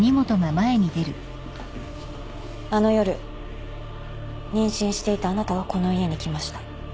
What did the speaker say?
あの夜妊娠していたあなたはこの家に来ました。